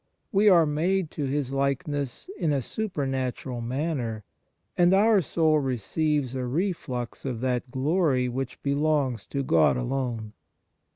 We are made to His likeness in a supernatural manner, THE MARVELS OF DIVINE GRACE and our soul receives a reflex of that glory which belongs to God alone.